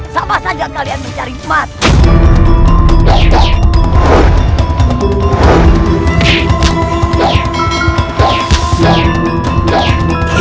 sama saja kalian mencari mati